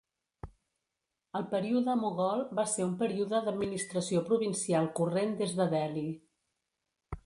El període mogol va ser un període d'administració provincial corrent des de Delhi.